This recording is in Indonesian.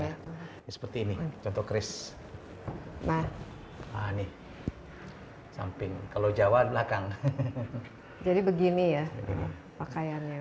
ya seperti ini contoh kris nah ini samping kalau jawa belakang jadi begini ya ini pakaiannya